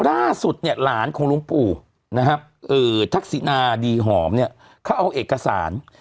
ล่าสุดเนี่ยหลานของหลวงปู่นะครับทักษินาดีหอมเนี่ยเขาเอาเอกสาร